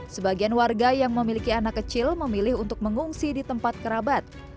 sebagian warga yang memiliki anak kecil memilih untuk mengungsi di tempat kerabat